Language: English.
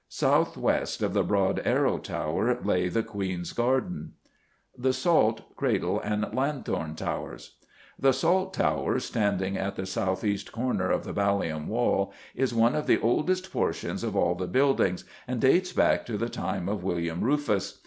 South west of the Broad Arrow Tower lay the Queen's Garden. The Salt, Cradle, and Lanthorn Towers. The Salt Tower, standing at the south east corner of the Ballium wall, is one of the oldest portions of all the buildings, and dates back to the time of William Rufus.